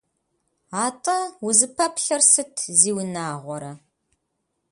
Атӏэ, узыпэплъэр сыт, зиунагъуэрэ!